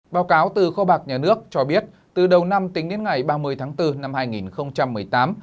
báo cáo từ kho bạc nhà nước cho biết từ đầu năm tính đến ngày ba mươi tháng bốn năm hai nghìn một mươi tám